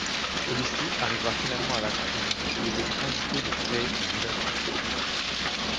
Celui-ci arriva finalement à la conclusion qu’il était indiqué de créer une nouvelle structure.